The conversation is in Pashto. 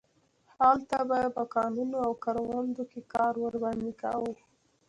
هلته به یې په کانونو او کروندو کې کار ورباندې کاوه.